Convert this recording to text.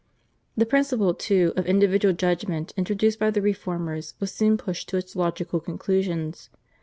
The principle, too, of individual judgment introduced by the Reformers was soon pushed to its logical conclusions.